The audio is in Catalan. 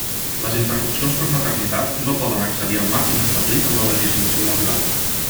Les interrupcions per maternitat no poden excedir el màxim establit en la legislació laboral.